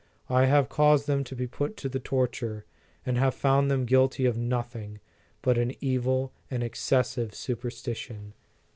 I have caused them to be put to the torture, and have found them guilty of nothing but an evil and ex cessive superstition."